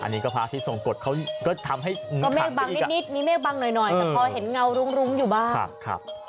อันนี้ก็พระอาทิตย์ทรงกฎเขาก็ทำให้ก็เมฆบังนิดมีเมฆบังหน่อยแต่พอเห็นเงารุ้งอยู่บ้าง